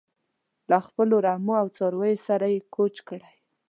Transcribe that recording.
له خپلو رمو او څارویو سره یې کوچ کړی.